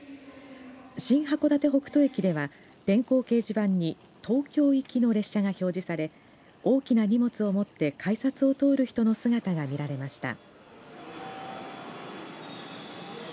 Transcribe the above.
新函館北斗駅では電光掲示板に東京行きの列車が表示され大きな荷物を持って改札を通る人の姿が見られました。